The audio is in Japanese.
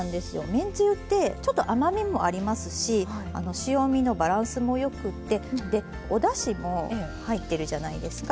めんつゆってちょっと甘みもありますし塩みのバランスもよくてでおだしも入ってるじゃないですか。